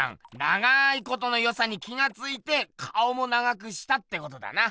長いことのよさに気がついて顔も長くしたってことだな。